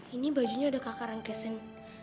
ini bajunya udah kakak rangkasing